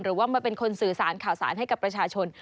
หรือว่ามาเป็นคนสื่อสารข่าวสารให้กับประชาชน